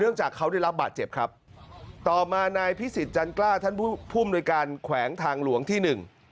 จากเขาได้รับบาดเจ็บครับต่อมานายพิสิทธิจันกล้าท่านผู้มนุยการแขวงทางหลวงที่หนึ่ง